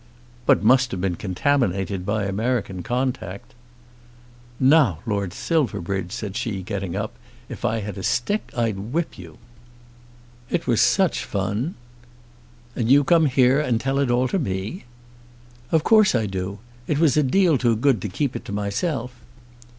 "But must have been contaminated by American contact." "Now, Lord Silverbridge," said she, getting up, "if I had a stick I'd whip you." "It was such fun." "And you come here and tell it all to me?" "Of course I do. It was a deal too good to keep it to myself.